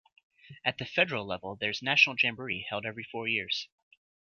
At the federal level there's national jamboree, held every four years.